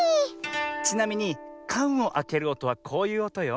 ちなみにかんをあけるおとはこういうおとよ。